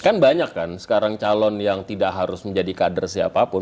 kan banyak kan sekarang calon yang tidak harus menjadi kader siapapun